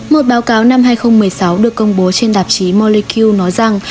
một báo cáo năm hai nghìn một mươi sáu được công bố trên tạp chí molecq nói rằng